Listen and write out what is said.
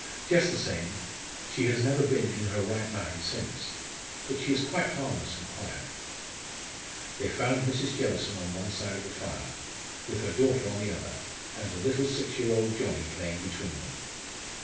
"Just the same. She has never been in her right mind since. But she is quite harmless and quiet." They found Mrs. Jellison on one side of the fire, with her daughter on the other, and the little six year old Johnnie playing between them.